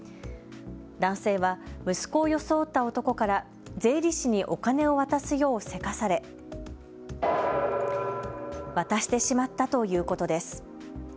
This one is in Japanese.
男性は息子を装った男から税理士にお金を渡すようせかされ渡してしまったということです。